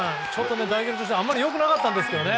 タイミングとしてはあまり良くなかったんですけどね。